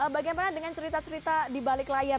bagaimana dengan cerita cerita di balik layar